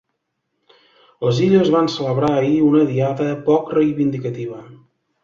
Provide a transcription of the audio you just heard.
Les Illes van celebrar ahir una Diada poc reivindicativa.